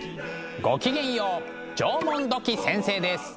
ごきげんよう縄文土器先生です。